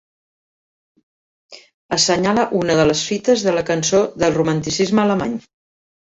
Assenyala una de les fites de la cançó del Romanticisme alemany.